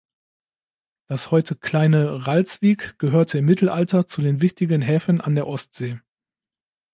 Das heute kleine Ralswiek gehörte im Mittelalter zu den wichtigen Häfen an der Ostsee.